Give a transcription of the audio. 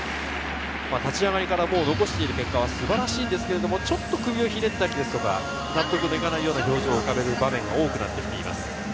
立ち上がりから残している結果は素晴らしいですが、首をひねったり、納得がいかない表情を浮かべる場面が多くなっています。